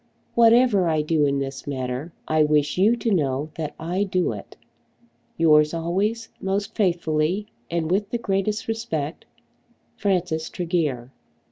Whatever I do in this matter, I wish you to know that I do it. Yours always, Most faithfully, and with the greatest respect, FRANCIS TREGEAR.